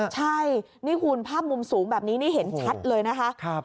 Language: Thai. ใช่นี่คุณภาพมุมสูงแบบนี้นี่เห็นชัดเลยนะคะ